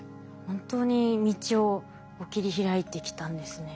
本当に道を切り開いてきたんですね。